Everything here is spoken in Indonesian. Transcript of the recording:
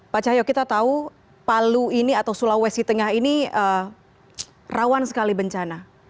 pak cahyo kita tahu palu ini atau sulawesi tengah ini rawan sekali bencana